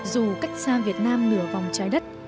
dù cách xa việt nam nửa vòng trái đất